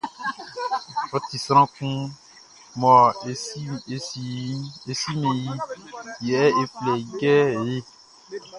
Ɔ ti sran kun mɔ e simɛn iʼn, yɛ e flɛ i kɛ hey.